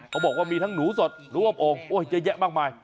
เขาบอกว่ามีทั้งหนูสดร่วมโอ่งเยอะแยะมากมาย